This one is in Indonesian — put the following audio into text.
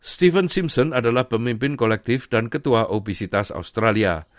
stephen simpson adalah pemimpin kolektif dan ketua obesitas australia